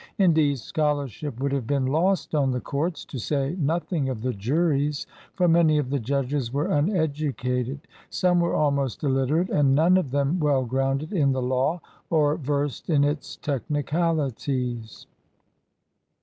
Indeed, scholarship would have been lost on the courts, to say nothing of the juries, for many of the judges were uneducated, some were almost illiterate, and none of them well grounded in the law or versed in its technicalities.